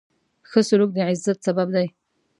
ښه سلوک د عزت سبب دی.